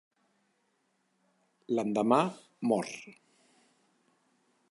L'endemà, mor.